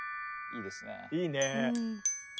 いいね。